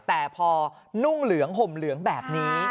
แต่พอนุ่งเหลืองห่มเหลืองแบบนี้